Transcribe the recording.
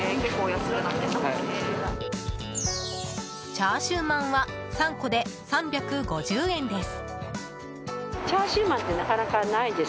チャーシューまんは３個で３５０円です。